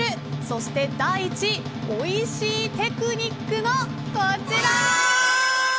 そして、第１位おいしいテク肉の、こちら。